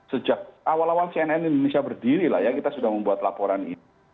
sejak awal awal cnn indonesia berdiri lah ya kita sudah membuat laporan ini